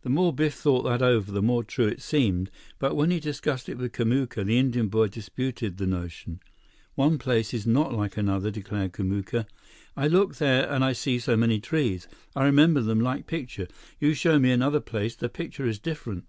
The more Biff thought that over, the more true it seemed. But when he discussed it with Kamuka, the Indian boy disputed the notion. "One place is not like another," declared Kamuka. "I look there, and I see so many trees. I remember them like picture. You show me another place, the picture is different."